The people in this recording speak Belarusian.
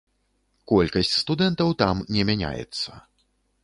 Колькасць студэнтаў там не мяняецца.